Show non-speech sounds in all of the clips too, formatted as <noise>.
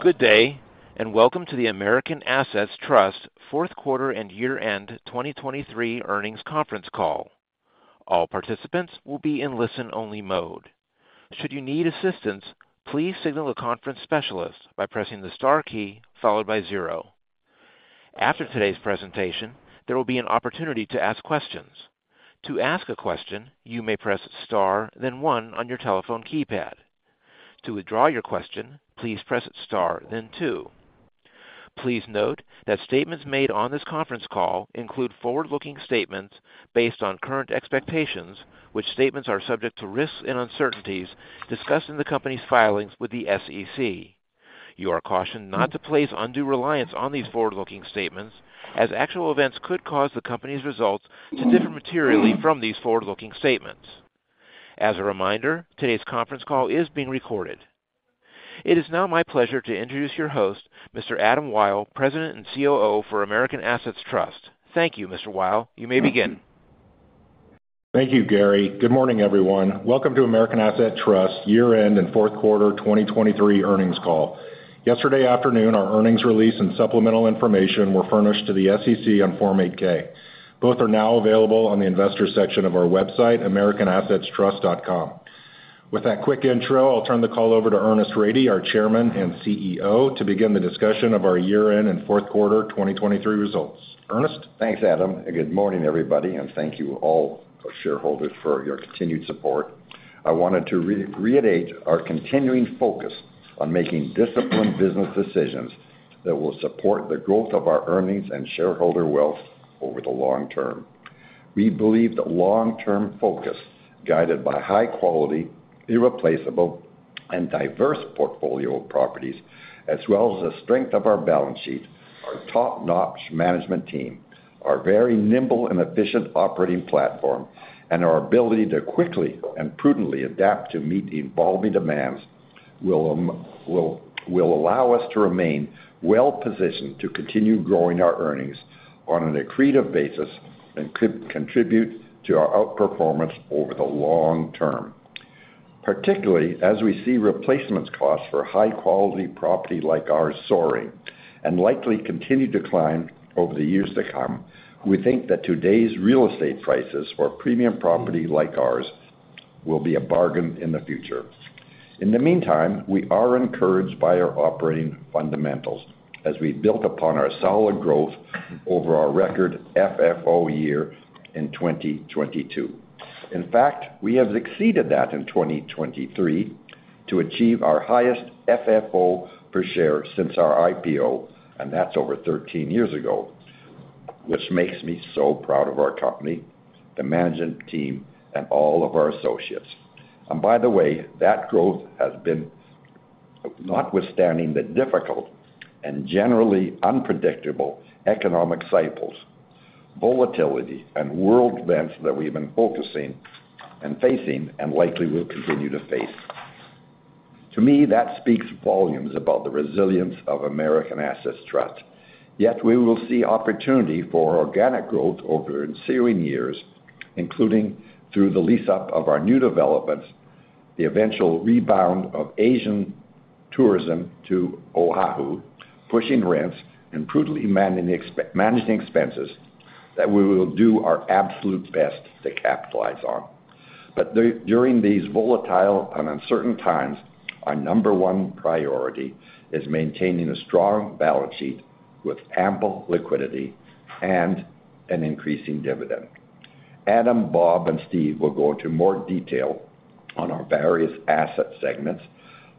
Good day, and welcome to the American Assets Trust fourth quarter and year-end 2023 earnings conference call. All participants will be in listen-only mode. Should you need assistance, please signal a conference specialist by pressing the star key followed by 0. After today's presentation, there will be an opportunity to ask questions. To ask a question, you may press star, then 1 on your telephone keypad. To withdraw your question, please press star, then 2. Please note that statements made on this conference call include forward-looking statements based on current expectations, which statements are subject to risks and uncertainties discussed in the company's filings with the SEC. You are cautioned not to place undue reliance on these forward-looking statements, as actual events could cause the company's results to differ materially from these forward-looking statements. As a reminder, today's conference call is being recorded. It is now my pleasure to introduce your host, Mr. Adam Wyll, President and COO for American Assets Trust. Thank you, Mr. Wyll. You may begin. Thank you, Gary. Good morning, everyone. Welcome to American Assets Trust year-end and fourth quarter 2023 earnings call. Yesterday afternoon, our earnings release and supplemental information were furnished to the SEC on Form 8-K. Both are now available on the investor section of our website, americanassetstrust.com. With that quick intro, I'll turn the call over to Ernest Rady, our Chairman and CEO, to begin the discussion of our year-end and fourth quarter 2023 results. Ernest? Thanks, Adam, and good morning, everybody, and thank you all, shareholders, for your continued support. I wanted to reiterate our continuing focus on making disciplined business decisions that will support the growth of our earnings and shareholder wealth over the long term. We believe that long-term focus, guided by high quality, irreplaceable, and diverse portfolio of properties, as well as the strength of our balance sheet, our top-notch management team, our very nimble and efficient operating platform, and our ability to quickly and prudently adapt to meet evolving demands, will allow us to remain well-positioned to continue growing our earnings on an accretive basis and could contribute to our outperformance over the long term. Particularly, as we see replacement costs for high-quality property like ours soaring and likely continue to climb over the years to come, we think that today's real estate prices for premium property like ours will be a bargain in the future. In the meantime, we are encouraged by our operating fundamentals as we built upon our solid growth over our record FFO year in 2022. In fact, we have exceeded that in 2023 to achieve our highest FFO per share since our IPO, and that's over 13 years ago, which makes me so proud of our company, the management team, and all of our associates. By the way, that growth has been notwithstanding the difficult and generally unpredictable economic cycles, volatility, and world events that we've been focusing and facing and likely will continue to face. To me, that speaks volumes about the resilience of American Assets Trust. Yet we will see opportunity for organic growth over ensuing years, including through the lease-up of our new developments, the eventual rebound of Asian tourism to Oahu, pushing rents and prudently managing expenses that we will do our absolute best to capitalize on. But during these volatile and uncertain times, our number one priority is maintaining a strong balance sheet with ample liquidity and an increasing dividend. Adam, Bob, and Steve will go into more detail on our various asset segments,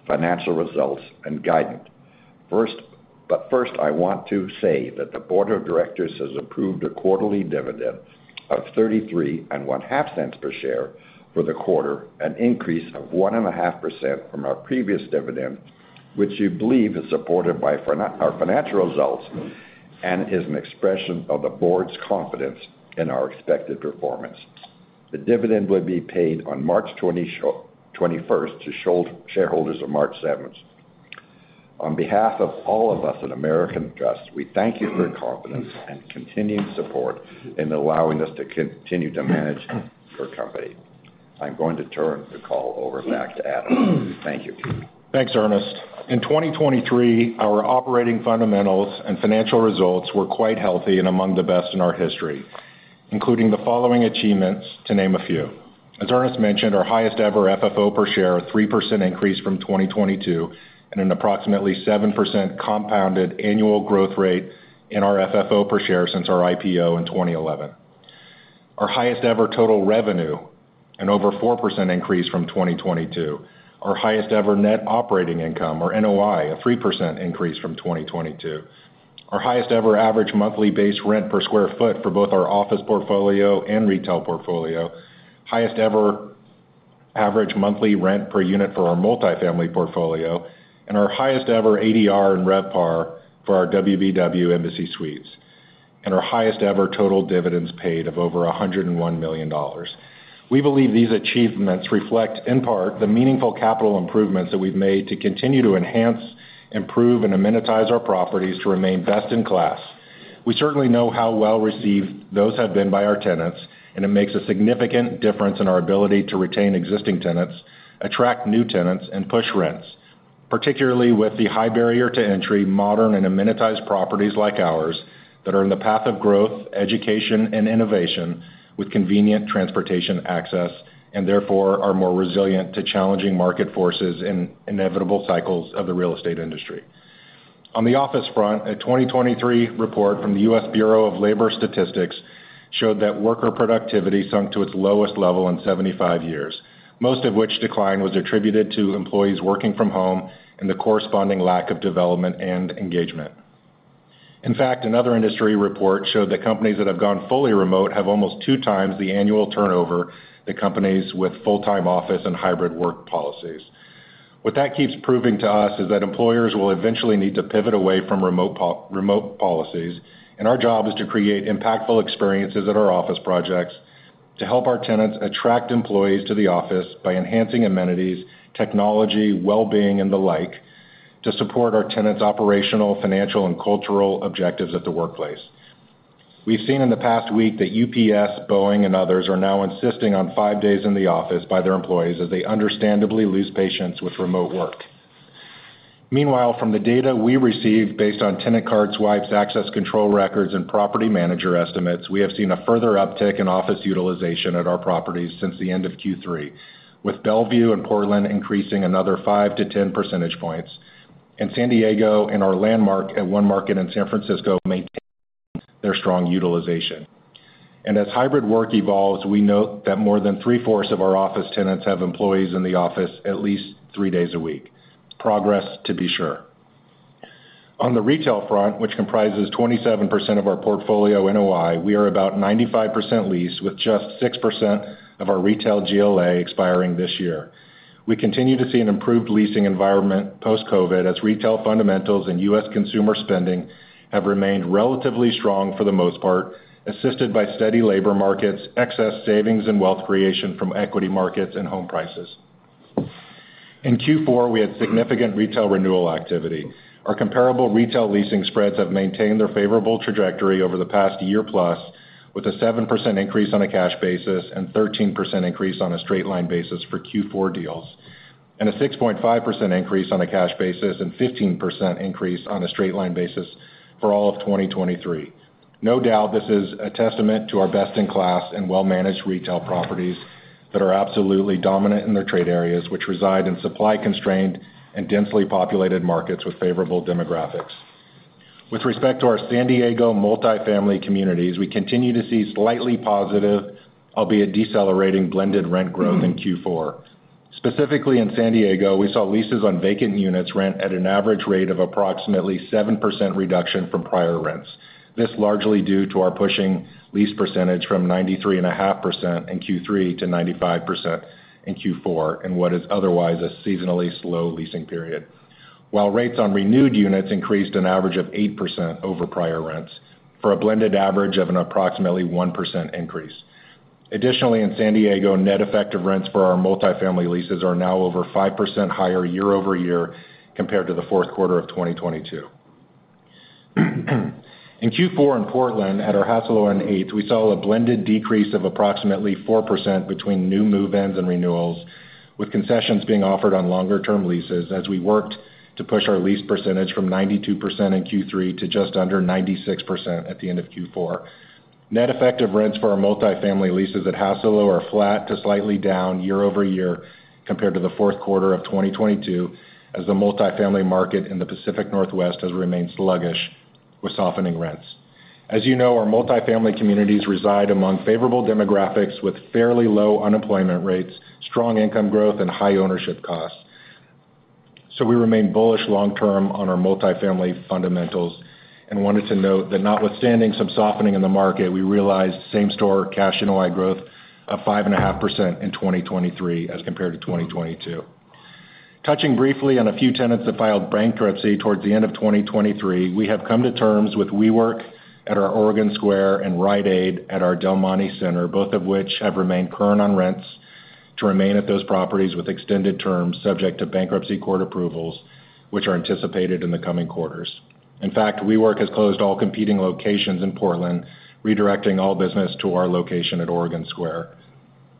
financial results, and guidance. First, but first, I want to say that the board of directors has approved a quarterly dividend of $0.335 per share for the quarter, an increase of 1.5% from our previous dividend, which we believe is supported by our fin—our financial results and is an expression of the board's confidence in our expected performance. The dividend will be paid on March 21st to shareholders of record March 7th. On behalf of all of us at American Assets Trust, we thank you for your confidence and continued support in allowing us to continue to manage your company. I'm going to turn the call over back to Adam. Thank you. Thanks, Ernest. In 2023, our operating fundamentals and financial results were quite healthy and among the best in our history, including the following achievements, to name a few. As Ernest mentioned, our highest-ever FFO per share, a 3% increase from 2022, and an approximately 7% compounded annual growth rate in our FFO per share since our IPO in 2011. Our highest ever total revenue, an over 4% increase from 2022. Our highest ever net operating income, or NOI, a 3% increase from 2022. Our highest ever average monthly base rent per square foot for both our office portfolio and retail portfolio. Highest ever average monthly rent per unit for our multifamily portfolio, and our highest ever ADR and RevPAR for our Embassy Suites Waikiki, and our highest ever total dividends paid of over $101 million. We believe these achievements reflect, in part, the meaningful capital improvements that we've made to continue to enhance, improve, and amenitize our properties to remain best-in-class. We certainly know how well received those have been by our tenants, and it makes a significant difference in our ability to retain existing tenants, attract new tenants, and push rents, particularly with the high barrier to entry, modern and amenitized properties like ours that are in the path of growth, education, and innovation with convenient transportation access, and therefore are more resilient to challenging market forces and inevitable cycles of the real estate industry. On the office front, a 2023 report from the U.S. Bureau of Labor Statistics showed that worker productivity sunk to its lowest level in 75 years, most of which decline was attributed to employees working from home and the corresponding lack of development and engagement. In fact, another industry report showed that companies that have gone fully remote have almost two times the annual turnover than companies with full-time office and hybrid work policies. What that keeps proving to us is that employers will eventually need to pivot away from remote policies, and our job is to create impactful experiences at our office projects to help our tenants attract employees to the office by enhancing amenities, technology, well-being, and the like, to support our tenants' operational, financial, and cultural objectives at the workplace. We've seen in the past week that UPS, Boeing, and others are now insisting on five days in the office by their employees as they understandably lose patience with remote work. Meanwhile, from the data we received, based on tenant card swipes, access control records, and property manager estimates, we have seen a further uptick in office utilization at our properties since the end of Q3, with Bellevue and Portland increasing another 5%-10% points, and San Diego and our Landmark at One Market in San Francisco maintaining their strong utilization. And as hybrid work evolves, we note that more than three-fourths of our office tenants have employees in the office at least three days a week. Progress, to be sure. On the retail front, which comprises 27% of our portfolio NOI, we are about 95% leased, with just 6% of our retail GLA expiring this year. We continue to see an improved leasing environment post-COVID, as retail fundamentals and U.S. consumer spending have remained relatively strong for the most part, assisted by steady labor markets, excess savings and wealth creation from equity markets and home prices. In Q4, we had significant retail renewal activity. Our comparable retail leasing spreads have maintained their favorable trajectory over the past year-plus, with a 7% increase on a cash basis and 13% increase on a straight line basis for Q4 deals, and a 6.5% increase on a cash basis and 15% increase on a straight line basis for all of 2023. No doubt, this is a testament to our best-in-class and well-managed retail properties that are absolutely dominant in their trade areas, which reside in supply-constrained and densely populated markets with favorable demographics. With respect to our San Diego multifamily communities, we continue to see slightly positive, albeit decelerating, blended rent growth in Q4. Specifically, in San Diego, we saw leases on vacant units rent at an average rate of approximately 7% reduction from prior rents. This largely due to our pushing lease percentage from 93.5% in Q3 to 95% in Q4, in what is otherwise a seasonally slow leasing period. While rates on renewed units increased an average of 8% over prior rents, for a blended average of an approximately 1% increase. Additionally, in San Diego, net effective rents for our multifamily leases are now over 5% higher year-over-year compared to the fourth quarter of 2022. In Q4 in Portland, at our Hassalo on Eighth, we saw a blended decrease of approximately 4% between new move-ins and renewals, with concessions being offered on longer-term leases as we worked to push our lease percentage from 92% in Q3 to just under 96% at the end of Q4. Net effective rents for our multifamily leases at Hassalo are flat to slightly down year-over-year compared to the fourth quarter of 2022, as the multifamily market in the Pacific Northwest has remained sluggish with softening rents. As you know, our multifamily communities reside among favorable demographics with fairly low unemployment rates, strong income growth, and high ownership costs. So we remain bullish long term on our multifamily fundamentals and wanted to note that notwithstanding some softening in the market, we realized same-store cash NOI growth of 5.5% in 2023 as compared to 2022. Touching briefly on a few tenants that filed bankruptcy towards the end of 2023, we have come to terms with WeWork at our Oregon Square and Rite Aid at our Del Monte Center, both of which have remained current on rents to remain at those properties with extended terms subject to bankruptcy court approvals, which are anticipated in the coming quarters. In fact, WeWork has closed all competing locations in Portland, redirecting all business to our location at Oregon Square.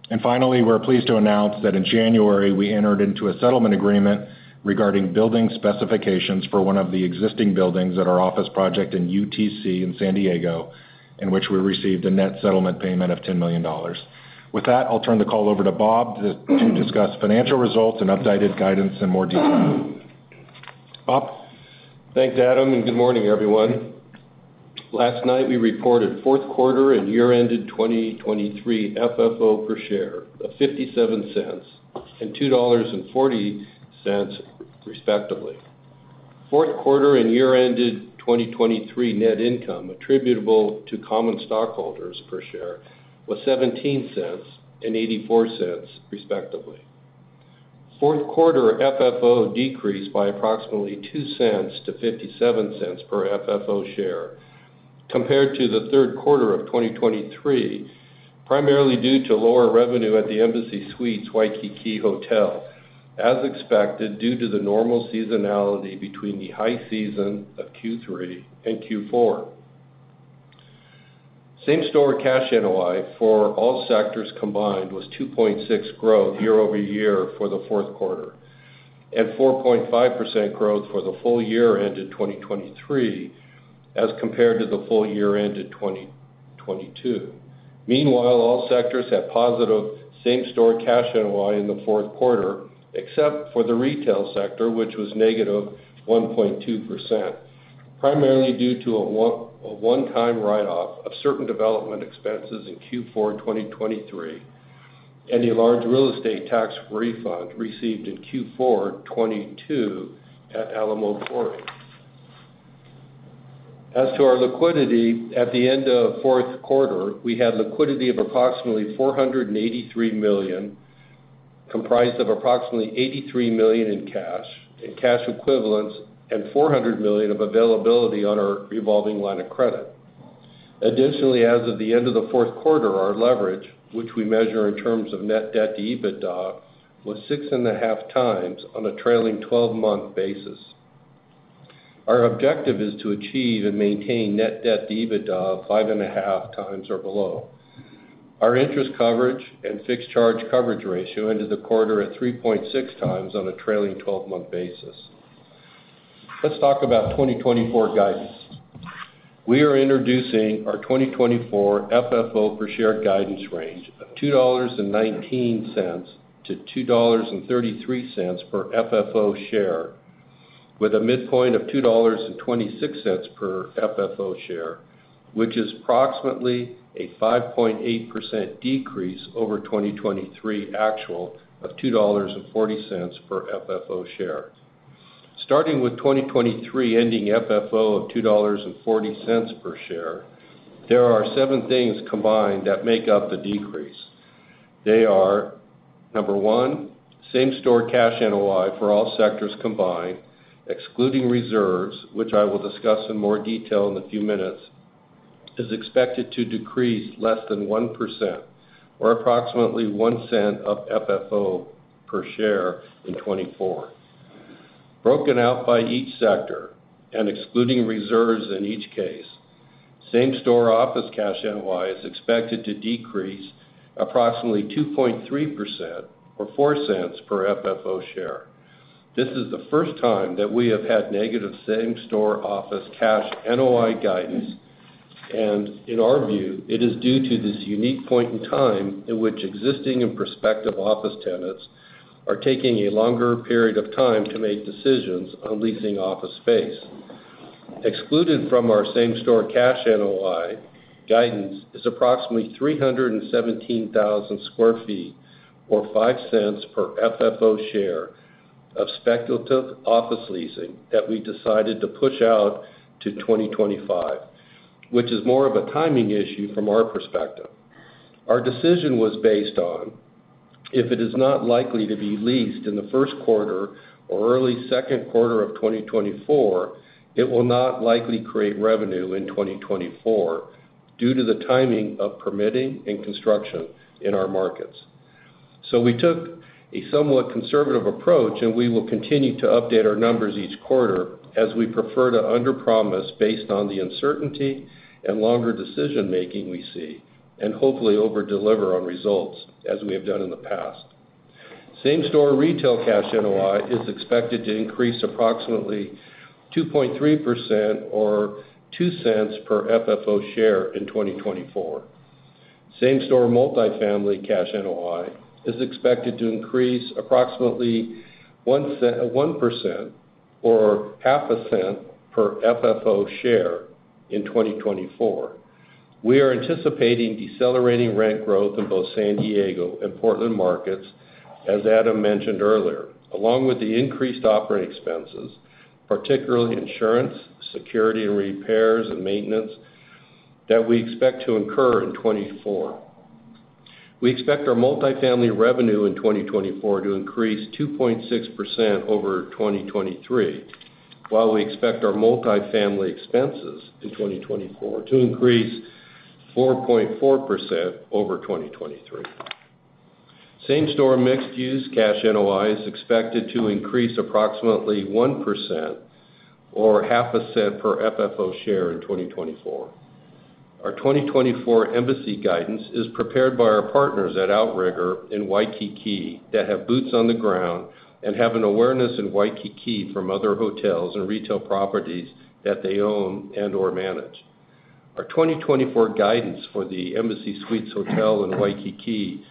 And finally, we're pleased to announce that in January, we entered into a settlement agreement regarding building specifications for one of the existing buildings at our office project in UTC in San Diego, in which we received a net settlement payment of $10 million. With that, I'll turn the call over to Bob to discuss financial results and updated guidance in more detail. Bob? Thanks, Adam, and good morning, everyone. Last night, we reported fourth quarter and year-ended 2023 FFO per share of $0.57 and $2.40, respectively. Fourth quarter and year-ended 2023 net income attributable to common stockholders per share was $0.17 and $0.84, respectively. Fourth quarter FFO decreased by approximately $0.02-$0.57 per FFO share compared to the third quarter of 2023, primarily due to lower revenue at the Embassy Suites Waikiki Hotel, as expected, due to the normal seasonality between the high season of Q3 and Q4. Same-store cash NOI for all sectors combined was 2.6 growth year-over-year for the fourth quarter, and 4.5% growth for the full year ended 2023, as compared to the full year ended 2022. Meanwhile, all sectors had positive same-store cash NOI in the fourth quarter, except for the retail sector, which was negative 1.2%, primarily due to a one-time write-off of certain development expenses in Q4 2023, and a large real estate tax refund received in Q4 2022 at Alamo Quarry. As to our liquidity, at the end of fourth quarter, we had liquidity of approximately $483 million, comprised of approximately $83 million in cash and cash equivalents, and $400 million of availability on our revolving line of credit. Additionally, as of the end of the fourth quarter, our leverage, which we measure in terms of net debt to EBITDA, was 6.5x on a trailing twelve-month basis. Our objective is to achieve and maintain net debt to EBITDA 5.5x or below. Our interest coverage and fixed charge coverage ratio ended the quarter at 3.6 times on a trailing twelve-month basis. Let's talk about 2024 guidance. We are introducing our 2024 FFO per share guidance range of $2.19-$2.33 per FFO share, with a midpoint of $2.26 per FFO share, which is approximately a 5.8% decrease over 2023 actual of $2.40 per FFO share. Starting with 2023 ending FFO of $2.40 per share, there are seven things combined that make up the decrease. They are: 1, same-store cash NOI for all sectors combined, excluding reserves, which I will discuss in more detail in a few minutes, is expected to decrease less than 1% or approximately $0.01 of FFO per share in 2024. Broken out by each sector, and excluding reserves in each case, same-store office cash NOI is expected to decrease approximately 2.3% or $0.04 per FFO share. This is the first time that we have had negative same-store office cash NOI guidance, and in our view, it is due to this unique point in time in which existing and prospective office tenants are taking a longer period of time to make decisions on leasing office space. Excluded from our same-store cash NOI guidance is approximately 317,000 sq ft, or $0.05 per FFO share of speculative office leasing that we decided to push out to 2025, which is more of a timing issue from our perspective. Our decision was based on, if it is not likely to be leased in the first quarter or early second quarter of 2024, it will not likely create revenue in 2024 due to the timing of permitting and construction in our markets. So we took a somewhat conservative approach, and we will continue to update our numbers each quarter, as we prefer to underpromise based on the uncertainty and longer decision-making we see, and hopefully overdeliver on results, as we have done in the past. Same-store retail cash NOI is expected to increase approximately 2.3% or $0.02 per FFO share in 2024. Same-store multifamily cash NOI is expected to increase approximately 1% or $0.005 per FFO share in 2024. We are anticipating decelerating rent growth in both San Diego and Portland markets, as Adam mentioned earlier, along with the increased operating expenses, particularly insurance, security and repairs, and maintenance, that we expect to incur in 2024. We expect our multifamily revenue in 2024 to increase 2.6% over 2023, while we expect our multifamily expenses in 2024 to increase 4.4% over 2023. Same-store mixed-use cash NOI is expected to increase approximately 1% or $0.005 per FFO share in 2024. Our 2024 Embassy guidance is prepared by our partners at Outrigger in Waikiki, that have boots on the ground and have an awareness in Waikiki from other hotels and retail properties that they own and/or manage. Our 2024 guidance for the Embassy Suites Hotel in Waikiki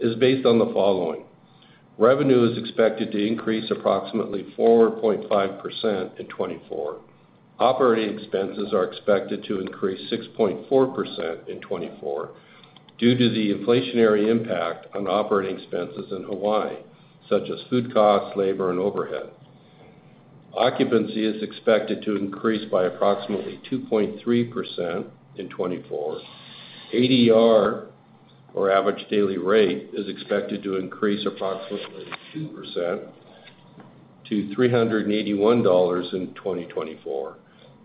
is based on the following: Revenue is expected to increase approximately 4.5% in 2024. Operating expenses are expected to increase 6.4% in 2024 due to the inflationary impact on operating expenses in Hawaii, such as food costs, labor, and overhead. Occupancy is expected to increase by approximately 2.3% in 2024. ADR, or average daily rate, is expected to increase approximately 2% to $381 in 2024,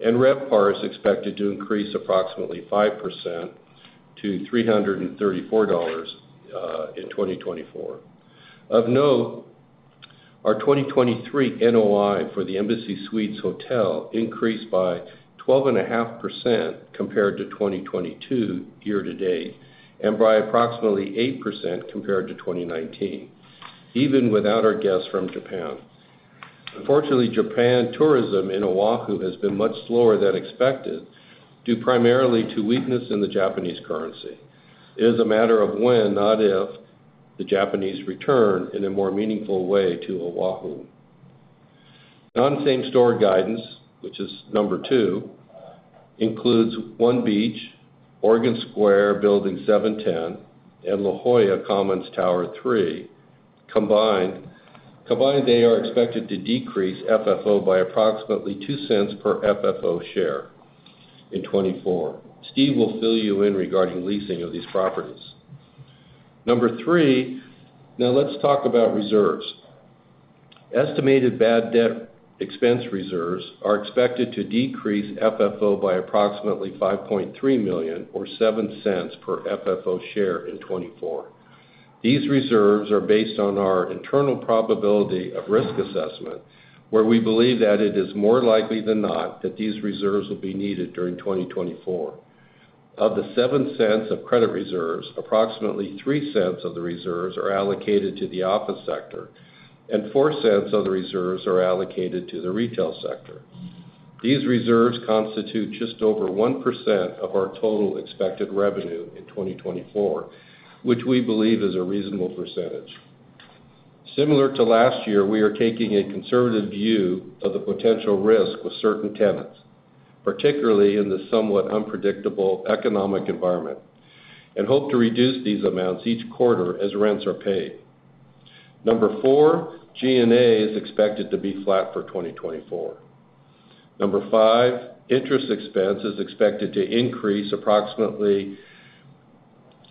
and RevPAR is expected to increase approximately 5% to $334 in 2024. Of note, our 2023 NOI for the Embassy Suites Hotel increased by 12.5% compared to 2022 year-to-date, and by approximately 8% compared to 2019, even without our guests from Japan. Unfortunately, Japan tourism in Oahu has been much slower than expected, due primarily to weakness in the Japanese currency. It is a matter of when, not if, the Japanese return in a more meaningful way to Oahu. Non-same-store guidance, which is number 2, includes One Beach, Oregon Square, Building 710, and La Jolla Commons, Tower 3. Combined, they are expected to decrease FFO by approximately $0.02 per FFO share in 2024. Steve will fill you in regarding leasing of these properties. Number 3, now let's talk about reserves. Estimated bad debt expense reserves are expected to decrease FFO by approximately $5.3 million or $0.07 per FFO share in 2024. These reserves are based on our internal probability of risk assessment, where we believe that it is more likely than not that these reserves will be needed during 2024. Of the $0.07 of credit reserves, approximately $0.03 of the reserves are allocated to the office sector, and $0.04 of the reserves are allocated to the retail sector. These reserves constitute just over 1% of our total expected revenue in 2024, which we believe is a reasonable percentage. Similar to last year, we are taking a conservative view of the potential risk with certain tenants, particularly in the somewhat unpredictable economic environment, and hope to reduce these amounts each quarter as rents are paid. Number 4, G&A is expected to be flat for 2024. Number 5, interest expense is expected to increase approximately $3 million,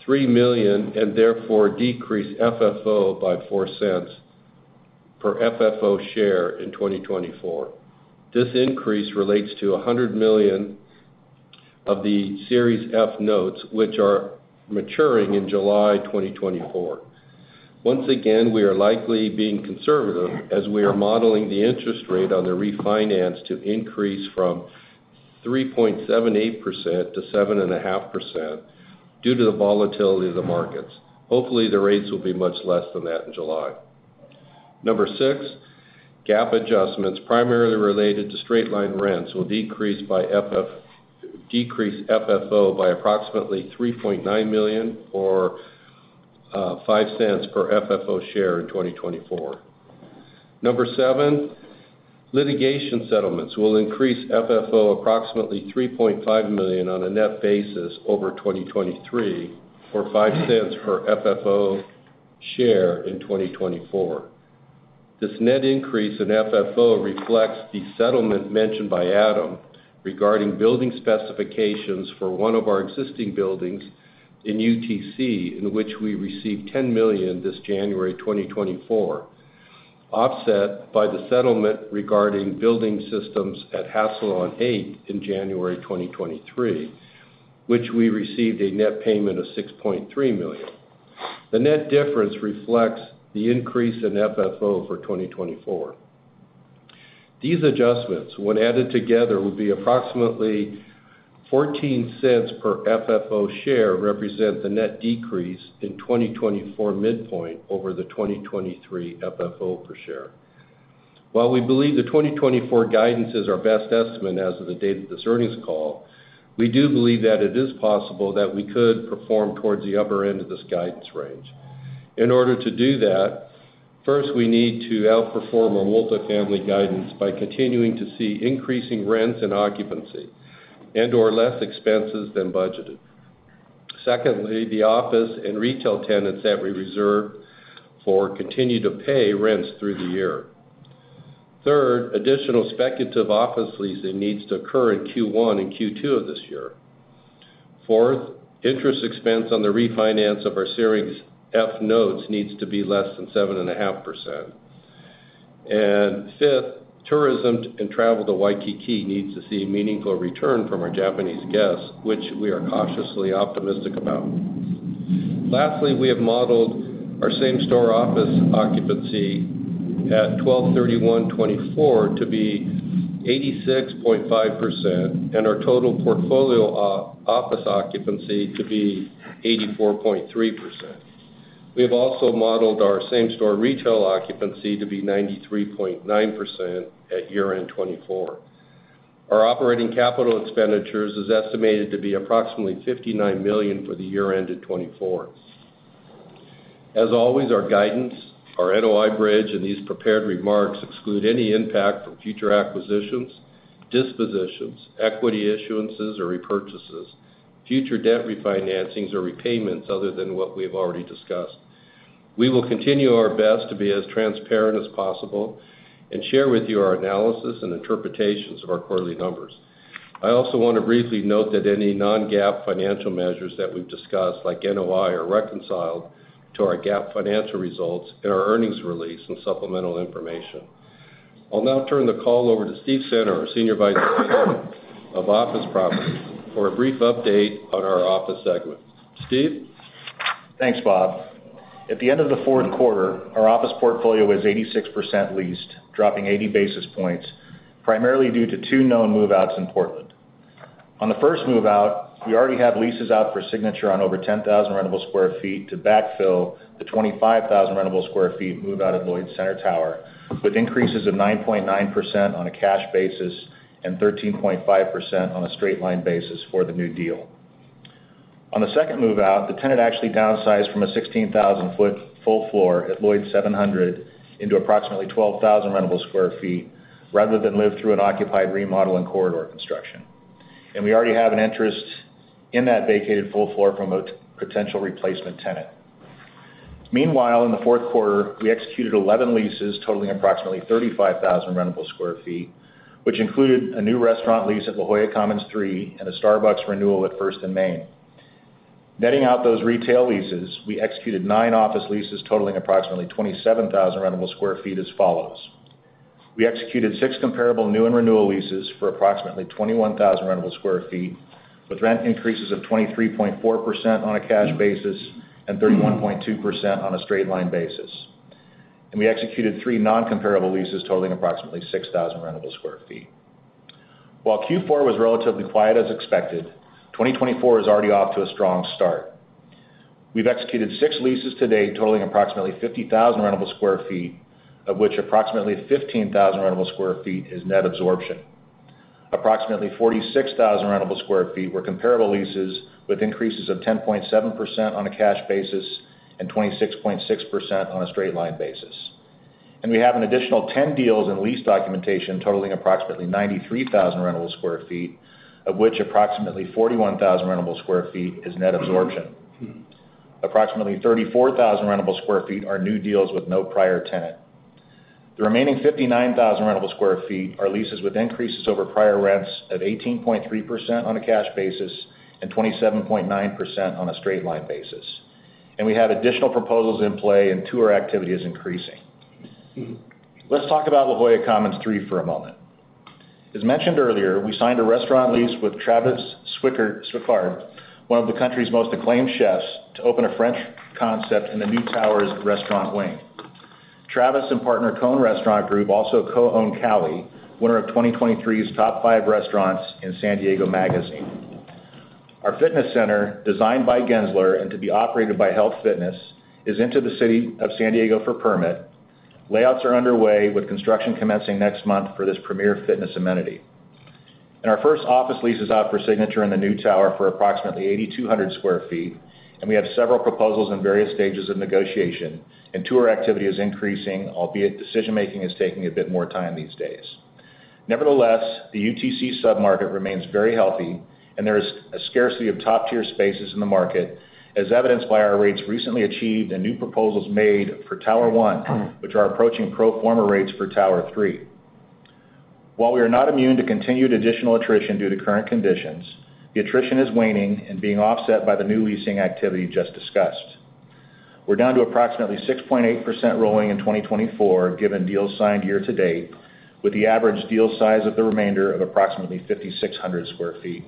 and therefore, decrease FFO by $0.04 per FFO share in 2024. This increase relates to $100 million of the Series F Notes, which are maturing in July 2024. Once again, we are likely being conservative as we are modeling the interest rate on the refinance to increase from 3.78%-7.5% due to the volatility of the markets. Hopefully, the rates will be much less than that in July. Number 6, GAAP adjustments, primarily related to straight-line rents, will decrease FFO by approximately $3.9 million or $0.05 per FFO share in 2024. 7, litigation settlements will increase FFO approximately $3.5 million on a net basis over 2023, or $0.05 per FFO share in 2024. This net increase in FFO reflects the settlement mentioned by Adam regarding building specifications for one of our existing buildings in UTC, in which we received $10 million this January 2024, offset by the settlement regarding building systems at Hassalo on Eighth in January 2023, which we received a net payment of $6.3 million. The net difference reflects the increase in FFO for 2024. These adjustments, when added together, would be approximately $0.14 per FFO share, represent the net decrease in 2024 midpoint over the 2023 FFO per share. While we believe the 2024 guidance is our best estimate as of the date of this earnings call, we do believe that it is possible that we could perform towards the upper end of this guidance range. In order to do that, first, we need to outperform our multifamily guidance by continuing to see increasing rents and occupancy and/or less expenses than budgeted. Secondly, the office and retail tenants that we reserve for continue to pay rents through the year. Third, additional speculative office leasing needs to occur in Q1 and Q2 of this year. Fourth, interest expense on the refinance of our Series F Notes needs to be less than 7.5%. And fifth, tourism and travel to Waikiki needs to see a meaningful return from our Japanese guests, which we are cautiously optimistic about. Lastly, we have modeled our same-store office occupancy at 12/31/2024 to be 86.5%, and our total portfolio office occupancy to be 84.3%. We have also modeled our same-store retail occupancy to be 93.9% at year-end 2024. Our operating capital expenditures is estimated to be approximately $59 million for the year ended 2024. As always, our guidance, our NOI bridge, and these prepared remarks exclude any impact from future acquisitions, dispositions, equity issuances or repurchases, future debt refinancings or repayments other than what we've already discussed. We will continue our best to be as transparent as possible and share with you our analysis and interpretations of our quarterly numbers. I also want to briefly note that any non-GAAP financial measures that we've discussed, like NOI, are reconciled to our GAAP financial results in our earnings release and supplemental information. I'll now turn the call over to Steve Center, our Senior Vice President, Office Properties, for a brief update on our office segment. Steve? Thanks, Bob. At the end of the fourth quarter, our office portfolio was 86% leased, dropping 80 basis points, primarily due to two known move-outs in Portland. On the first move-out, we already have leases out for signature on over 10,000 rentable sq ft to backfill the 25,000 rentable sq ft move out of Lloyd Center Tower, with increases of 9.9% on a cash basis and 13.5% on a straight-line basis for the new deal. On the second move-out, the tenant actually downsized from a 16,000 foot full floor at Lloyd 700 into approximately 12,000 rentable sq ft, rather than live through an occupied remodel and corridor construction. And we already have an interest in that vacated full floor from a potential replacement tenant. Meanwhile, in the fourth quarter, we executed 11 leases totaling approximately 35,000 rentable sq ft, which included a new restaurant lease at La Jolla Commons III and a Starbucks renewal at First & Main. Netting out those retail leases, we executed nine office leases totaling approximately 27,000 rentable sq ft as follows: We executed six comparable new and renewal leases for approximately 21,000 rentable sq ft, with rent increases of 23.4% on a cash basis and 31.2% on a straight-line basis. And we executed three non-comparable leases totaling approximately 6,000 rentable sq ft. While Q4 was relatively quiet as expected, 2024 is already off to a strong start. We've executed six leases to date, totaling approximately 50,000 rentable sq ft, of which approximately 15,000 rentable sq ft is net absorption. Approximately 46,000 rentable sq ft were comparable leases, with increases of 10.7% on a cash basis and 26.6% on a straight line basis. We have an additional 10 deals in lease documentation, totaling approximately 93,000 rentable sq ft, of which approximately 41,000 rentable sq ft is net absorption. Approximately 34,000 rentable sq ft are new deals with no prior tenant. The remaining 59,000 rentable sq ft are leases with increases over prior rents at 18.3% on a cash basis and 27.9% on a straight line basis. We have additional proposals in play and tour activity is increasing. Let's talk about La Jolla Commons III for a moment. As mentioned earlier, we signed a restaurant lease with Travis Swikard, one of the country's most acclaimed chefs, to open a French concept in the new tower's restaurant wing. Travis and partner Cohn Restaurant Group also co-own Callie, winner of 2023's top five restaurants in San Diego Magazine. Our fitness center, designed by Gensler and to be operated by HealthFitness, is in to the city of San Diego for permit. Layouts are underway, with construction commencing next month for this premier fitness amenity. Our first office lease is out for signature in the new tower for approximately 8,200 sq ft, and we have several proposals in various stages of negotiation, and tour activity is increasing, albeit decision-making is taking a bit more time these days. Nevertheless, the UTC submarket remains very healthy, and there is a scarcity of top-tier spaces in the market, as evidenced by our rates recently achieved and new proposals made for Tower One, which are approaching pro forma rates for Tower Three. While we are not immune to continued additional attrition due to current conditions, the attrition is waning and being offset by the new leasing activity just discussed. We're down to approximately 6.8% rolling in 2024, given deals signed year to date, with the average deal size of the remainder of approximately 5,600 sq ft.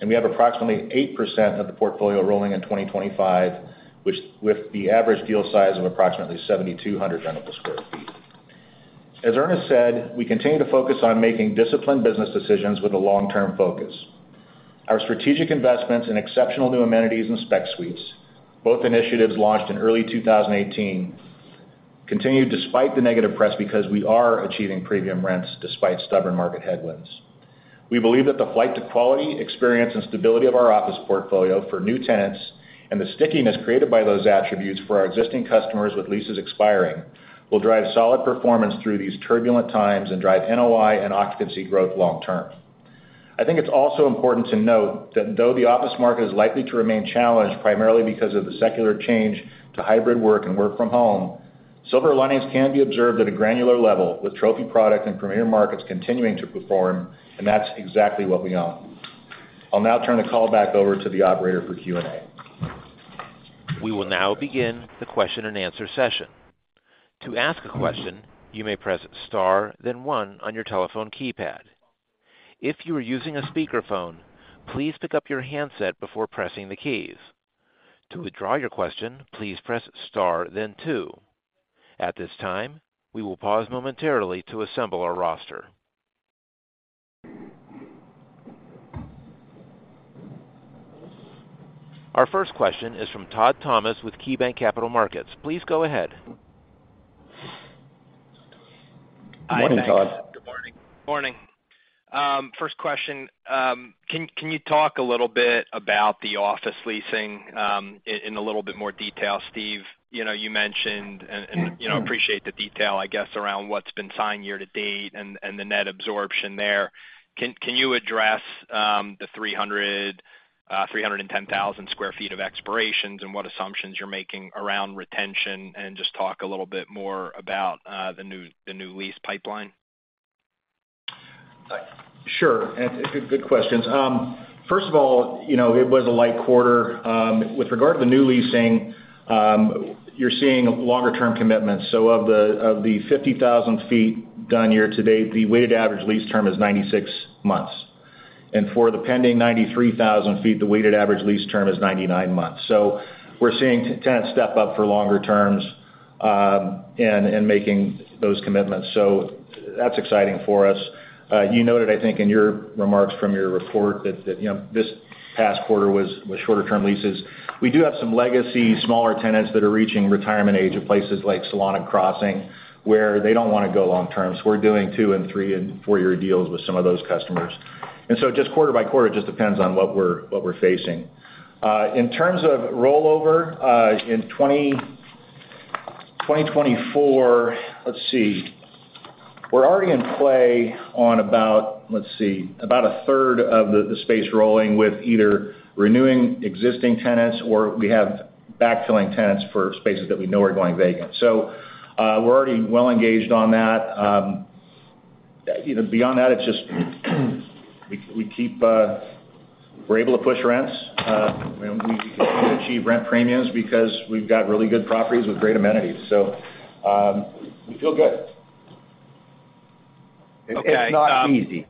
And we have approximately 8% of the portfolio rolling in 2025, which, with the average deal size of approximately 7,200 rentable sq ft. As Ernest said, we continue to focus on making disciplined business decisions with a long-term focus. Our strategic investments in exceptional new amenities and spec suites, both initiatives launched in early 2018, continued despite the negative press, because we are achieving premium rents despite stubborn market headwinds. We believe that the flight to quality, experience, and stability of our office portfolio for new tenants, and the stickiness created by those attributes for our existing customers with leases expiring, will drive solid performance through these turbulent times and drive NOI and occupancy growth long term. I think it's also important to note that though the office market is likely to remain challenged, primarily because of the secular change to hybrid work and work from home, silver linings can be observed at a granular level, with trophy product and premier markets continuing to perform, and that's exactly what we own. I'll now turn the call back over to the operator for Q&A. We will now begin the question-and-answer session. To ask a question, you may press star, then one on your telephone keypad. If you are using a speakerphone, please pick up your handset before pressing the keys. To withdraw your question, please press star, then two. At this time, we will pause momentarily to assemble our roster. Our first question is from Todd Thomas with KeyBanc Capital Markets. Please go ahead. Good <crosstalk> morning, Todd. Good morning. Morning. First question, can you talk a little bit about the office leasing in a little bit more detail, Steve? You know, you mentioned and you know, appreciate the detail, I guess, around what's been signed year to date and the net absorption there. Can you address the 310,000 sq ft of expirations and what assumptions you're making around retention? And just talk a little bit more about the new lease pipeline. Sure, and good, good questions. First of all, you know, it was a light quarter. With regard to the new leasing, you're seeing longer term commitments. So of the 50,000 sq ft done year to date, the weighted average lease term is 96 months. And for the pending 93,000 sq ft, the weighted average lease term is 99 months. So we're seeing tenants step up for longer terms, and making those commitments. So that's exciting for us. You noted, I think, in your remarks from your report, that you know, this past quarter was with shorter term leases. We do have some legacy, smaller tenants that are reaching retirement age of places like Solana Crossings, where they don't want to go long term. So we're doing 2 and 3 and 4-year deals with some of those customers. Just quarter by quarter, it just depends on what we're facing. In terms of rollover, in 2024, let's see. We're already in play on about a third of the space rolling with either renewing existing tenants, or we have backfilling tenants for spaces that we know are going vacant. So, we're already well engaged on that. You know, beyond that, it's just we keep, we're able to push rents. And we achieve rent premiums because we've got really good properties with great amenities. So, we feel good. Okay, <crosstalk> um- It's not easy.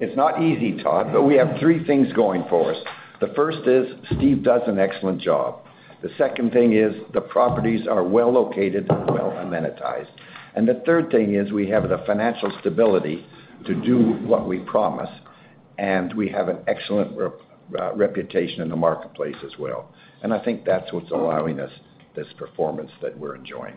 It's not easy, Todd, but we have three things going for us. The first is, Steve does an excellent job. The second thing is, the properties are well located and well amenitized. And the third thing is, we have the financial stability to do what we promise, and we have an excellent reputation in the marketplace as well. And I think that's what's allowing us this performance that we're enjoying.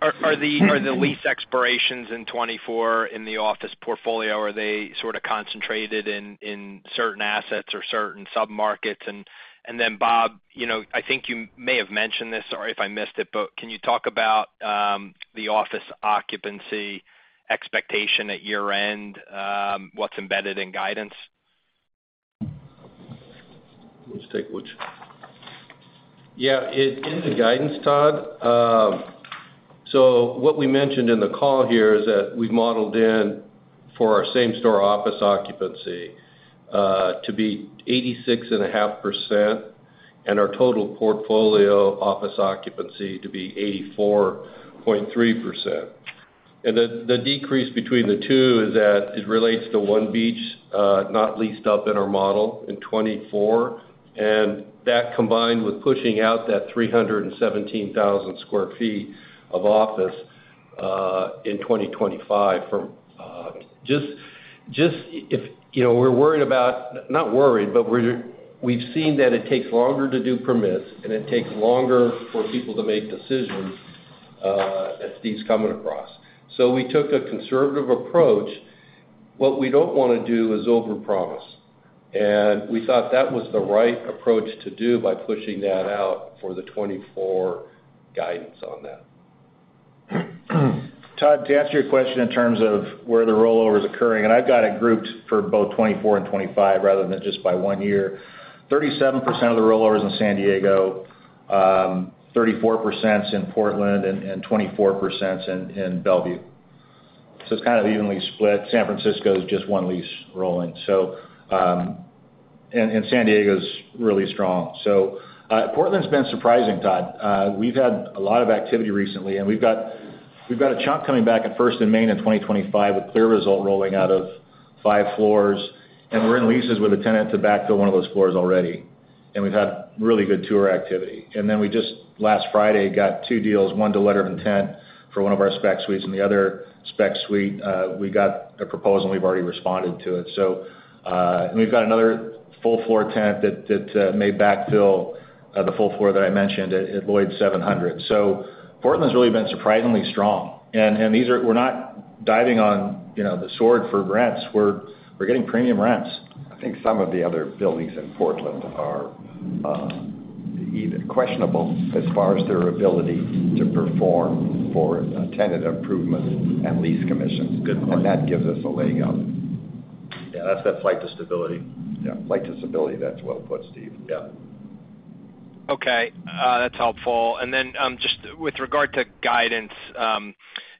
Are the lease expirations in 2024 in the office portfolio, are they sort of concentrated in certain assets or certain submarkets? And then, Bob, you know, I think you may have mentioned this, or if I missed it, but can you talk about the office occupancy expectation at year-end, what's embedded in guidance? Let's take which- Yeah, in the guidance, Todd, so what we mentioned in the call here is that we modeled in for our same store office occupancy to be 86.5%, and our total portfolio office occupancy to be 84.3%. The decrease between the two is that it relates to One Beach not leased up in our model in 2024. That, combined with pushing out that 317,000 sq ft of office in 2025, you know, we're worried about - not worried, but we've seen that it takes longer to do permits, and it takes longer for people to make decisions, as Steve's coming across. So we took a conservative approach. What we don't want to do is overpromise, and we thought that was the right approach to do by pushing that out for the 2024 guidance on that. Todd, to answer your question in terms of where the rollover is occurring, and I've got it grouped for both 2024 and 2025, rather than just by one year. 37% of the rollover is in San Diego, 34% is in Portland, and 24% is in Bellevue. So it's kind of evenly split. San Francisco is just 1 lease rolling. So, San Diego's really strong. So, Portland's been surprising, Todd. We've had a lot of activity recently, and we've got, we've got a chunk coming back at First & Main in 2025, with CLEAResult rolling out of 5 floors. We're in leases with a tenant to backfill one of those floors already. We've had really good tour activity. And then we just, last Friday, got two deals, one to letter of intent for one of our spec suites, and the other spec suite, we got a proposal, and we've already responded to it. So we've got another full floor tenant that may backfill the full floor that I mentioned at Lloyd 700. So Portland's really been surprisingly strong. And these are. We're not diving on, you know, the sword for rents. We're getting premium rents. I think some of the other buildings in Portland are even questionable as far as their ability to perform for tenant improvements and lease commissions. That gives us a leg up. Yeah, that's that flight to stability. Yeah, flight to stability. That's well put, Steve. Yeah. Okay, that's helpful. And then, just with regard to guidance,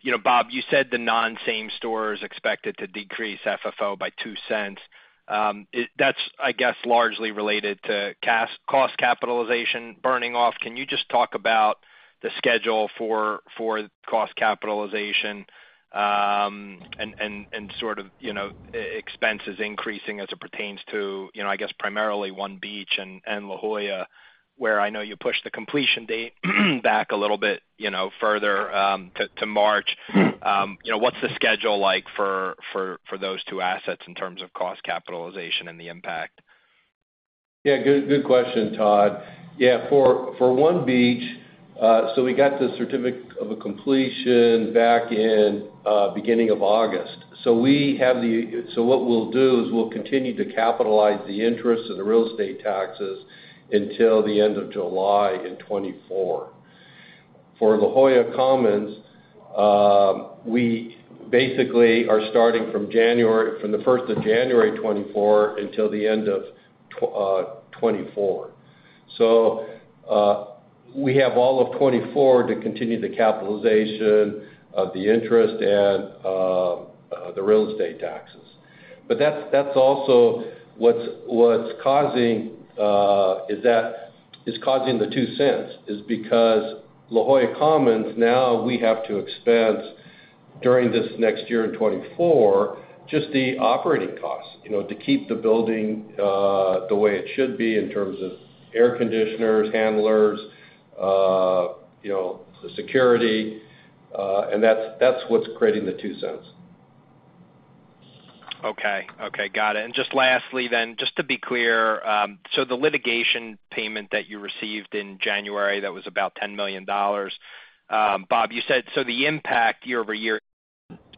you know, Bob, you said the non-same store is expected to decrease FFO by $0.02. That's, I guess, largely related to cost capitalization burning off. Can you just talk about the schedule for cost capitalization, and sort of, you know, expenses increasing as it pertains to, you know, I guess, primarily One Beach and La Jolla, where I know you pushed the completion date back a little bit, you know, further to March. You know, what's the schedule like for those two assets in terms of cost capitalization and the impact? Yeah, good, good question, Todd. Yeah, for, for One Beach, so we got the certificate of a completion back in, beginning of August. So what we'll do is we'll continue to capitalize the interest and the real estate taxes until the end of July in 2024. For La Jolla Commons, we basically are starting from January, from the first of January 2024 until the end of 2024. So, we have all of 2024 to continue the capitalization of the interest and, the real estate taxes. But that's, that's also what's, what's causing, is that—is causing the $0.02, is because La Jolla Commons, now we have to expense during this next year in 2024, just the operating costs, you know, to keep the building, the way it should be in terms of air conditioners, handlers, you know, the security, and that's, that's what's creating the $0.02. Okay. Okay, got it. And just lastly then, just to be clear, so the litigation payment that you received in January, that was about $10 million. Bob, you said, so the impact year over year,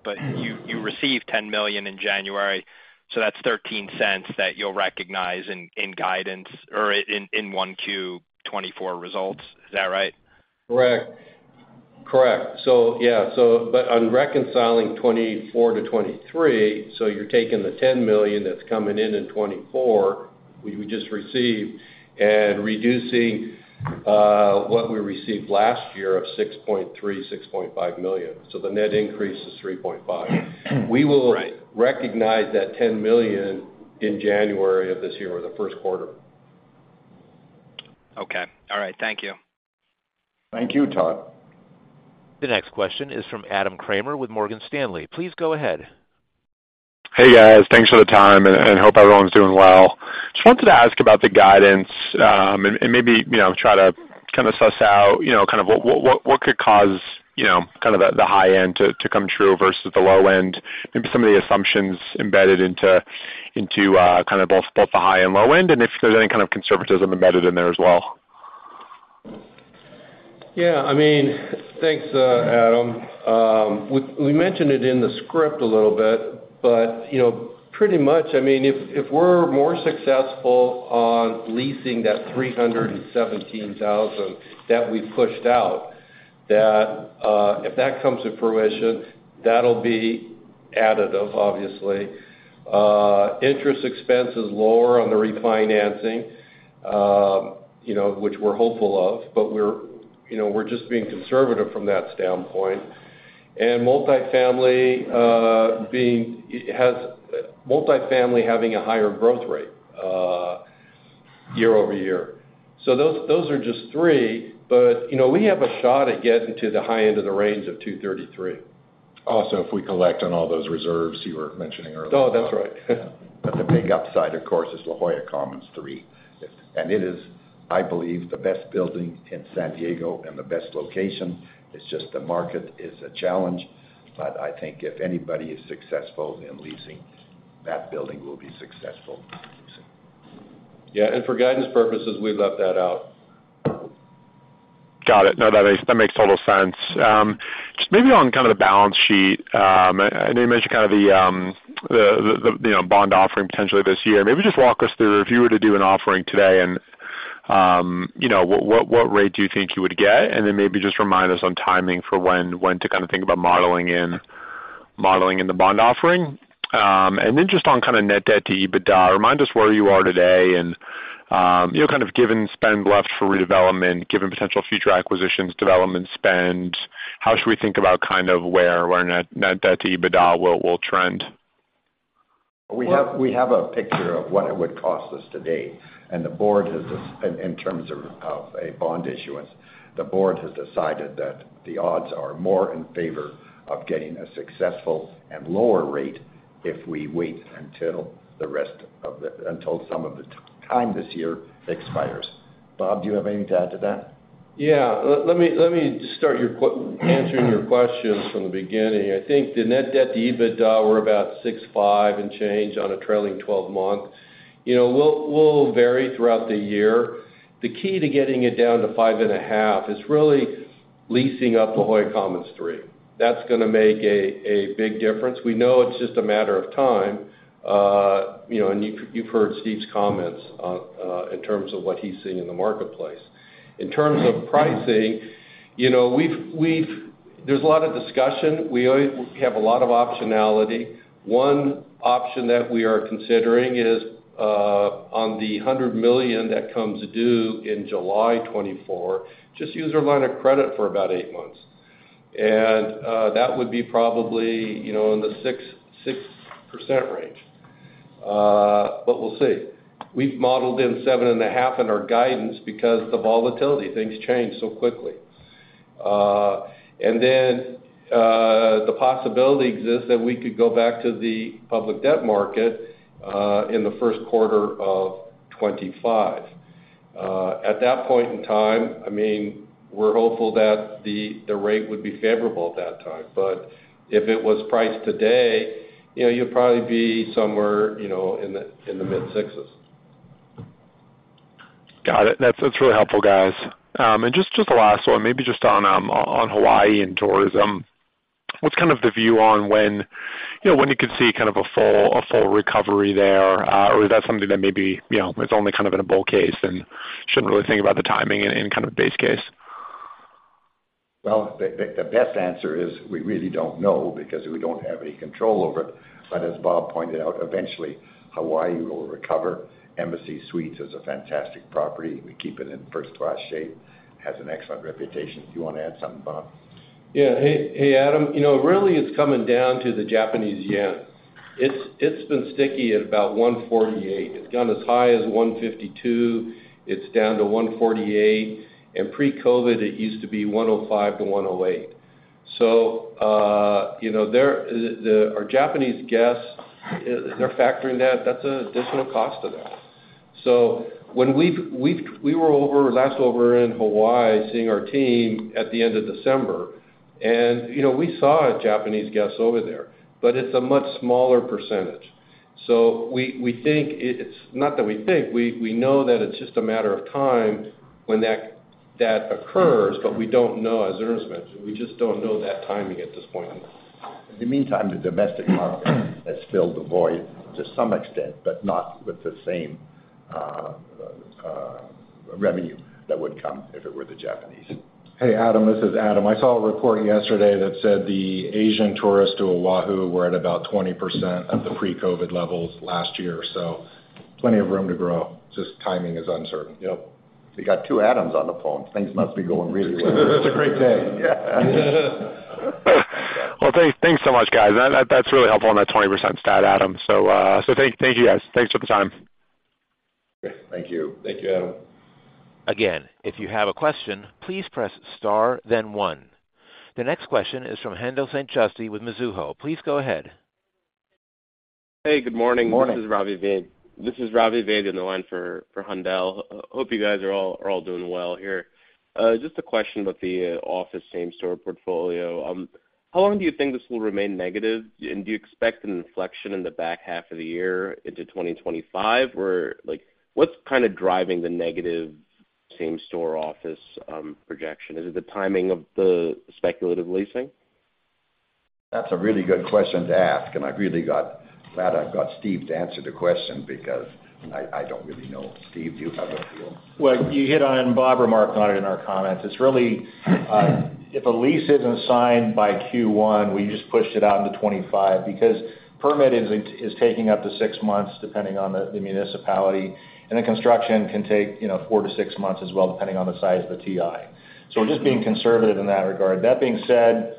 but you received $10 million in January, so that's $0.13 that you'll recognize in guidance or in 1Q 2024 results. Is that right? Correct. Correct. So, yeah, so but on reconciling 2024-2023, so you're taking the $10 million that's coming in in 2024, we just received, and reducing what we received last year of $6.5 million. So the net increase is $3.5 million. We will <crosstalk> recognize that $10 million in January of this year, or the first quarter. Okay. All right. Thank you. Thank you, Todd. The next question is from Adam Kramer with Morgan Stanley. Please go ahead. Hey, guys. Thanks for the time, and hope everyone's doing well. Just wanted to ask about the guidance, and maybe, you know, try to kind of suss out, you know, kind of what could cause, you know, kind of the high end to come true versus the low end. Maybe some of the assumptions embedded into kind of both the high and low end, and if there's any kind of conservatism embedded in there as well. Yeah, I mean, thanks, Adam. We mentioned it in the script a little bit, but, you know, pretty much, I mean, if we're more successful on leasing that 317,000 that we pushed out, that, if that comes to fruition, that'll be additive, obviously. Interest expense is lower on the refinancing, you know, which we're hopeful of, but we're, you know, we're just being conservative from that standpoint. And multifamily having a higher growth rate, year-over-year. So those are just three, but, you know, we have a shot at getting to the high end of the range of 233. Also, if we collect on all those reserves you were mentioning earlier. Oh, that's right. But the big upside, of course, is La Jolla Commons III. And it is, I believe, the best building in San Diego and the best location. It's just the market is a challenge, but I think if anybody is successful in leasing, that building will be successful in leasing. Yeah, and for guidance purposes, we left that out. Got it. No, that is, that makes total sense. Just maybe on kind of the balance sheet, I know you mentioned kind of the you know, bond offering potentially this year. Maybe just walk us through, if you were to do an offering today and, you know, what rate do you think you would get? And then maybe just remind us on timing for when to kind of think about modeling in the bond offering. And then just on kind of Net Debt to EBITDA, remind us where you are today and, you know, kind of given spend left for redevelopment, given potential future acquisitions, development spend, how should we think about kind of where Net Debt to EBITDA will trend? We have a picture of what it would cost us today, and the board has, in terms of a bond issuance, decided that the odds are more in favor of getting a successful and lower rate if we wait until some of the time this year expires. Bob, do you have anything to add to that? Yeah. Let me start answering your questions from the beginning. I think the net debt to EBITDA were about 6.5 and change on a trailing twelve-month. You know, we'll vary throughout the year. The key to getting it down to 5.5 is really leasing up La Jolla Commons III. That's gonna make a big difference. We know it's just a matter of time, you know, and you've heard Steve's comments on in terms of what he's seeing in the marketplace. In terms of pricing, you know, we've. There's a lot of discussion. We always have a lot of optionality. One option that we are considering is on the $100 million that comes due in July 2024, just use our line of credit for about 8 months. That would be probably, you know, in the 6.6% range. But we'll see. We've modeled in 7.5% in our guidance because the volatility, things change so quickly. And then, the possibility exists that we could go back to the public debt market in the first quarter of 2025. At that point in time, I mean, we're hopeful that the rate would be favorable at that time, but if it was priced today, you know, you'd probably be somewhere, you know, in the mid-6s. Got it. That's, that's really helpful, guys. And just, just a last one, maybe just on, on Hawaii and tourism. What's kind of the view on when, you know, when you could see kind of a full, a full recovery there? Or is that something that maybe, you know, is only kind of in a bull case and shouldn't really think about the timing in, in kind of a base case? Well, the best answer is we really don't know because we don't have any control over it. But as Bob pointed out, eventually, Hawaii will recover. Embassy Suites is a fantastic property. We keep it in first-class shape, has an excellent reputation. Do you wanna add something, Bob? Yeah. Hey, Adam, you know, really, it's coming down to the Japanese yen. It's been sticky at about 148. It's gone as high as 152, it's down to 148, and pre-COVID, it used to be 105-108. So, you know, there—the, our Japanese guests, they're factoring that. That's an additional cost to them. So when we've—we've, we were over, last over in Hawaii, seeing our team at the end of December, and, you know, we saw Japanese guests over there, but it's a much smaller percentage. So we, we think it's—not that we think, we, we know that it's just a matter of time when that, that occurs, but we don't know, as Ernest mentioned, we just don't know that timing at this point in time. In the meantime, the domestic market has filled the void to some extent, but not with the same revenue that would come if it were the Japanese. Hey, Adam, this is Adam. I saw a report yesterday that said the Asian tourists to Oahu were at about 20% of the pre-COVID levels last year, so plenty of room to grow. Just timing is uncertain. Yep. We got two Adams on the phone. Things must be going really well. It's a great day. Well, thanks, thanks so much, guys. That's really helpful on that 20% stat, Adam. So, thank you, guys. Thanks for the time. Thank you. Thank you, Adam. Again, if you have a question, please press star, then one. The next question is from Hendel St. Juste with Mizuho. Please go ahead. Hey, good morning. Morning. This is Ravi Vaid. This is Ravi Vaid on the line for, for Hendel. Hope you guys are all doing well here. Just a question about the office same-store portfolio. How long do you think this will remain negative? And do you expect an inflection in the back half of the year into 2025, or, like, what's kind of driving the negative same-store office projection? Is it the timing of the speculative leasing? That's a really good question to ask, and glad I've got Steve to answer the question because I, I don't really know. Steve, do you have a feel? Well, you hit on, Bob remarked on it in our comments. It's really, if a lease isn't signed by Q1, we just pushed it out into 25 because permit is taking up to 6 months, depending on the municipality, and then construction can take, you know, 4-6 months as well, depending on the size of the TI. So we're just being conservative in that regard. That being said,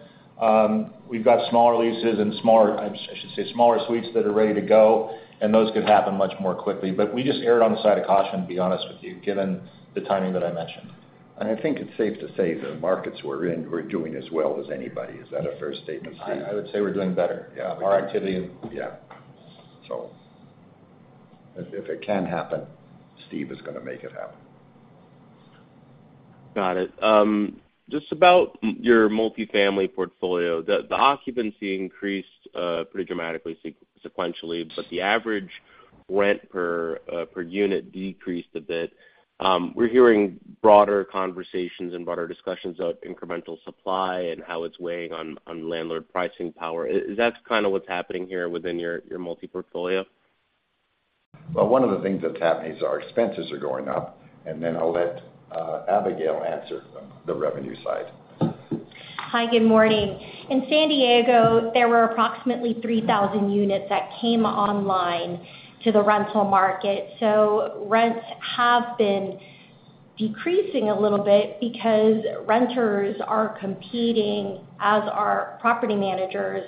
we've got smaller leases and smaller, I should say, smaller suites that are ready to go, and those could happen much more quickly. But we just erred on the side of caution, to be honest with you, given the timing that I mentioned. I think it's safe to say the markets we're in were doing as well as anybody. Is that a fair statement, <crosstalk> Steve? I would say we're doing better. Yeah. <crosstalk> Our activity- Yeah. So if, if it can happen, Steve is gonna make it happen. Got it. Just about your multifamily portfolio, the occupancy increased pretty dramatically sequentially, but the average rent per unit decreased a bit. We're hearing broader conversations and broader discussions about incremental supply and how it's weighing on landlord pricing power. Is that kind of what's happening here within your multifamily portfolio? Well, one of the things that's happening is our expenses are going up, and then I'll let Abigail answer the revenue side. Hi, good morning. In San Diego, there were approximately 3,000 units that came online to the rental market, so rents have been decreasing a little bit because renters are competing, as are property managers,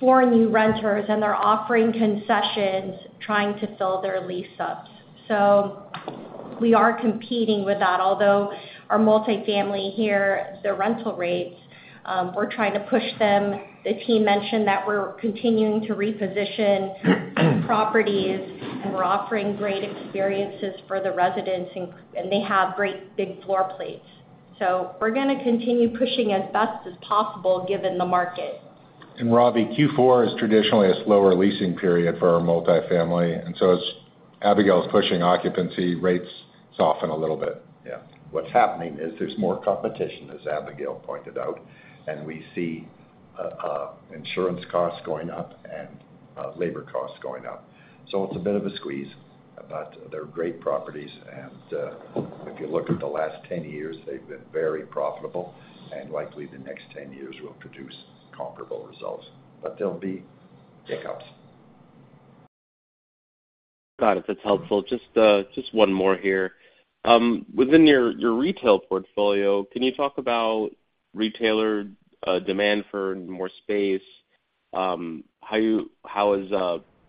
for new renters, and they're offering concessions, trying to fill their lease ups. So we are competing with that, although our multifamily here, the rental rates, we're trying to push them. The team mentioned that we're continuing to reposition properties, and we're offering great experiences for the residents, and, and they have great big floor plates. So we're gonna continue pushing as best as possible, given the market. Ravi, Q4 is traditionally a slower leasing period for our multifamily, and so as Abigail is pushing occupancy, rates soften a little bit. Yeah. What's happening is there's more competition, as Abigail pointed out, and we see insurance costs going up and labor costs going up. So it's a bit of a squeeze, but they're great properties, and if you look at the last 10 years, they've been very profitable, and likely, the next 10 years will produce comparable results, but there'll be hiccups. Got it. That's helpful. Just, just one more here. Within your, your retail portfolio, can you talk about retailer, demand for more space? How you—How is,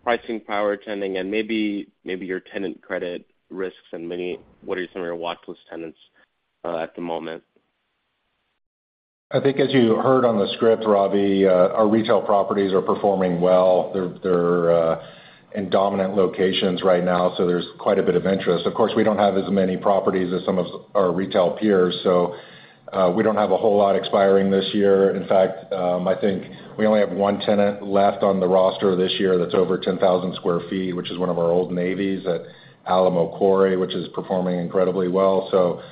pricing power attending and maybe, maybe your tenant credit risks and many, what are some of your watchlist tenants, at the moment? I think as you heard on the script, Ravi, our retail properties are performing well. They're in dominant locations right now, so there's quite a bit of interest. Of course, we don't have as many properties as some of our retail peers, so we don't have a whole lot expiring this year. In fact, I think we only have one tenant left on the roster this year that's over 10,000 sq ft, which is one of our Old Navy's at Alamo Quarry, which is performing incredibly well. So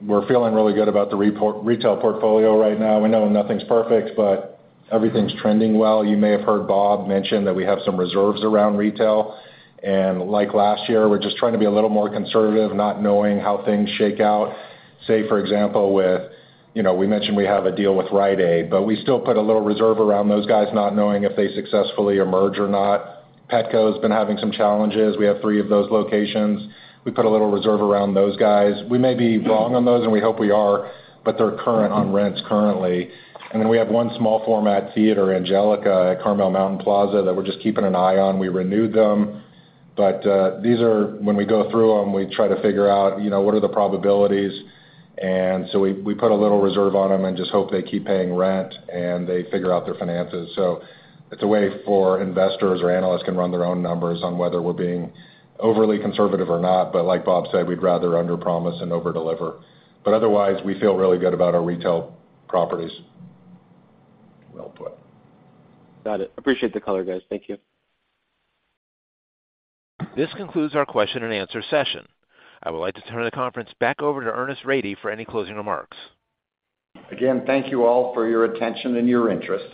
we're feeling really good about the retail portfolio right now. We know nothing's perfect, but everything's trending well. You may have heard Bob mention that we have some reserves around retail, and like last year, we're just trying to be a little more conservative, not knowing how things shake out. Say, for example, you know, we mentioned we have a deal with Rite Aid, but we still put a little reserve around those guys not knowing if they successfully emerge or not. Petco's been having some challenges. We have three of those locations. We put a little reserve around those guys. We may be wrong on those, and we hope we are, but they're current on rents currently. And then we have one small format theater, Angelika, at Carmel Mountain Plaza, that we're just keeping an eye on. We renewed them, but these are—when we go through them, we try to figure out, you know, what are the probabilities, and so we put a little reserve on them and just hope they keep paying rent and they figure out their finances. So it's a way for investors or analysts can run their own numbers on whether we're being overly conservative or not, but like Bob said, we'd rather underpromise than overdeliver. But otherwise, we feel really good about our retail properties. Well put. Got it. Appreciate the color, guys. Thank you. This concludes our question and answer session. I would like to turn the conference back over to Ernest Rady for any closing remarks. Again, thank you all for your attention and your interest.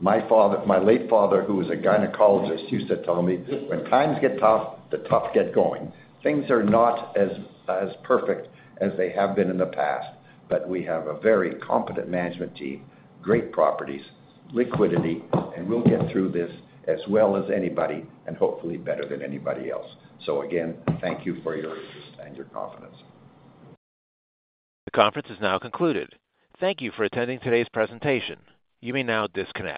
My father, my late father, who was a gynecologist, used to tell me, "When times get tough, the tough get going." Things are not as perfect as they have been in the past, but we have a very competent management team, great properties, liquidity, and we'll get through this as well as anybody and hopefully better than anybody else. So again, thank you for your interest and your confidence. The conference is now concluded. Thank you for attending today's presentation. You may now disconnect.